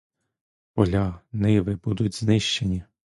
Поля, ниви будуть знищені.